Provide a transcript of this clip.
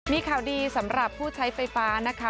มีข่าวดีสำหรับผู้ใช้ไฟฟ้านะคะ